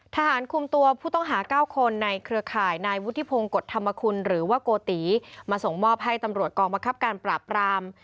ทหารคุมตัวผู้ต้องหา๙คนในเครือข่ายนายวุฒิพงศ์กฎธรรมคุณหรือว่าโกติมาส่งมอบให้ตำรวจกองบังคับการปราบราม